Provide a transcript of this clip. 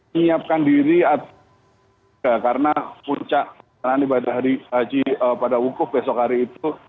menyiapkan diri karena puncak ibadah haji pada wukuf besok hari itu